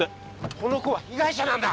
この子は被害者なんだ！